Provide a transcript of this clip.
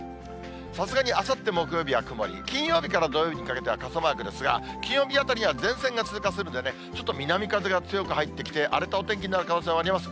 さすがにあさって木曜日は曇り、金曜日から土曜日にかけては傘マークですが、金曜日あたりには前線が通過するんでね、ちょっと南風が強く入ってきて、荒れたお天気になる可能性があります。